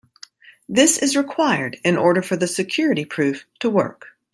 This is required in order for the security proof to work.